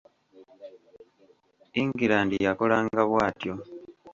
England yakolanga bw'atyo.